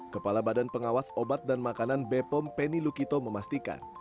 kepala badan pengawas obat dan makanan bepom penny lukito memastikan